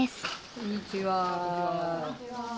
こんにちは。